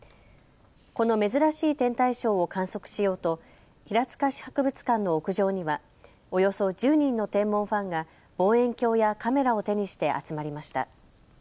この珍しい天体ショーを観測しようと平塚市博物館の屋上にはおよそ１０人の天文ファンが望遠鏡やカメラを手にして集まりました。